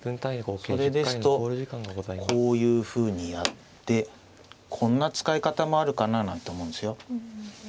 それですとこういうふうにやってこんな使い方もあるかななんて思うんですよ。